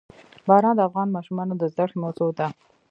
باران د افغان ماشومانو د زده کړې موضوع ده.